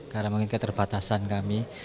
karena mungkin keterbatasan kami